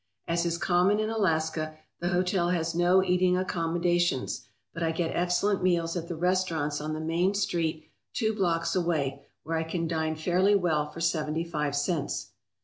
As is common in Alaska, the hotel has no eating accommodations, but I get excel lent meals at the restaurants on the main street two blocks away, where I can dine fairly well for seventy five cents.